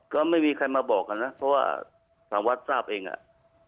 ก็ไม่มีใครมาบอกกันนะเพราะว่าทางวัดทราบเองอ่ะ